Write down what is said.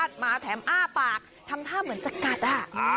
ทำท่าเหมือนจะกัดอ่ะ